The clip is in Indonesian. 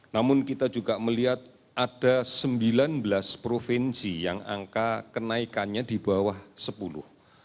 namun kita juga melihat ada sembilan belas provinsi yang angka kenaikannya di bawah sepuluh